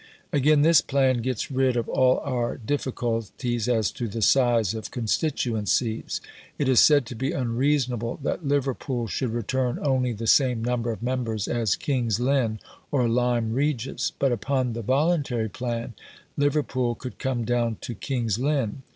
Again, this plan gets rid of all our difficulties as to the size of constituencies. It is said to be unreasonable that Liverpool should return only the same number of members as King's Lynn or Lyme Regis; but upon the voluntary plan, Liverpool could come down to King's Lynn.